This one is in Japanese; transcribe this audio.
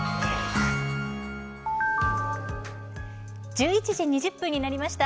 １１時２０分になりました。